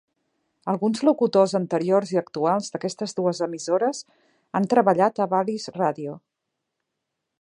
Alguns locutors anteriors i actuals d'aquestes dues emissores han treballat a Valleys Radio.